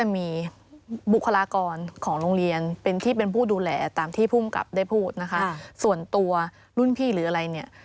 มีบุคลากรของโรงเรียนเป็นที่เป็นผู้ดูแลตามที่ภูมิกับได้พูดนะคะส่วนตัวรุ่นพี่หรืออะไรเนี่ย